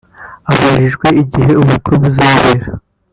Abajijwe igihe ubukwe buzabera